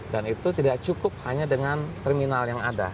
dan itu tidak cukup hanya dengan terminal yang ada